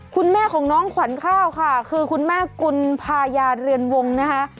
คุณแม่ของน้องขวัญข้าวค่ะคือคุณแม่กุลภายาเรือนวงนะคะ